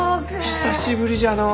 久しぶりじゃのう！